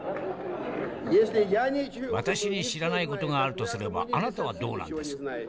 「私に知らない事があるとすればあなたはどうなんです？